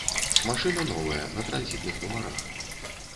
Машына новая, на транзітных нумарах.